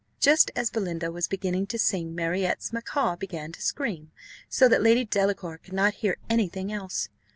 Just as Belinda was beginning to sing, Marriott's macaw began to scream, so that Lady Delacour could not hear any thing else.